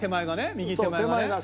右手前が。